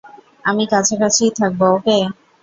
আমি কাছাকাছিই থাকবো, ওকে?